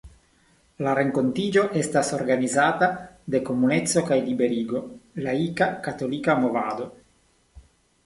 La renkontiĝo estas organizata de Komuneco kaj Liberigo, laika, katolika movado.